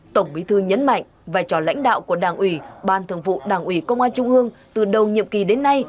tổng bí thư nhấn mạnh vai trò lãnh đạo của đảng ủy ban thường vụ đảng ủy công an trung ương từ đầu nhiệm kỳ đến nay